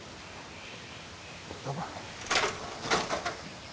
どうも。